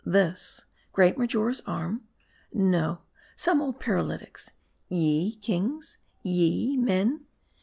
'This, great Mar jora's arm ? No, some old paralytic's. Ye, kings ? ye, men